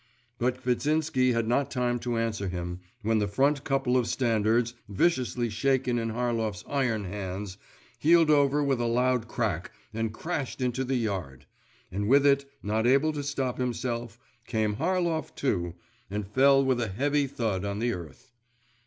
But Kvitsinsky had not time to answer him, when the front couple of standards, viciously shaken in Harlov's iron hands, heeled over with a loud crack and crashed into the yard; and with it, not able to stop himself, came Harlov too, and fell with a heavy thud on the earth.